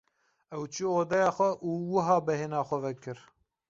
Ew çû odeya xwe û wiha bêhna xwe vekir.